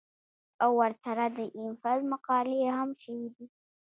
او ورسره د ايم فل مقالې هم شوې دي